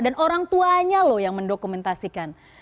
dan orang tuanya yang mendokumentasikan